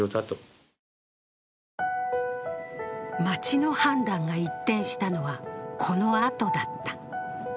町の判断が一転したのはこのあとだった。